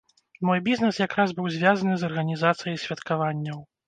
Мой бізнес якраз быў звязаны з арганізацыяй святкаванняў.